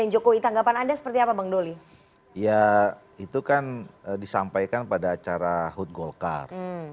ya itu kan disampaikan pada acara hood golkar